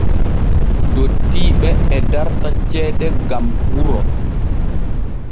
Dottiiɓe e darta ceede gam wuro.